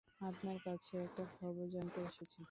আপনার কাছে একটা খবর জানতে এসেছি।